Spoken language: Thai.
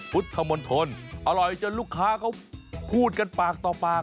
พุทธมณฑลอร่อยจนลูกค้าเขาพูดกันปากต่อปาก